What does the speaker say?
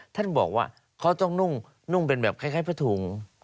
ท่านบอกว่าเขาต้องนุ่งเป็นแบบคล้ายผ้าถุง